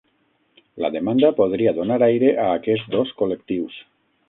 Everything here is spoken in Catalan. La demanda podria donar aire a aquests dos col·lectius